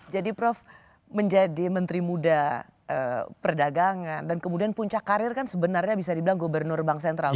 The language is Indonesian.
jadi prof menjadi menteri muda perdagangan dan kemudian puncak karir kan sebenarnya bisa dibilang gubernur bank sentral